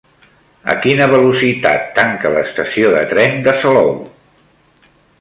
A quina velocitat tanca l'estació de tren de Salou?